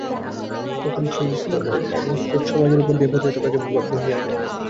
তখন সেই প্রবল ভাবস্রোত সমাজের উপর দিয়া অপ্রতিহত বেগে বহিয়া যায়।